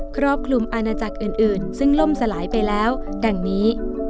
ครอบคลุมอาณาจักรอื่นซึ่งล่มสลายไปแล้วดังนี้